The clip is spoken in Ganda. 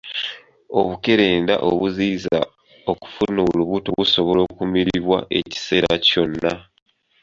Obukerenda obuziyiza okufuna olubuto busobola okumiribwa ekiseera kyonna.